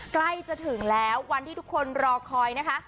ใกล้จะถึงแล้ววันที่ทุกคนรอคอยนะคะ